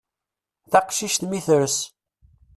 Taqcict mi tres.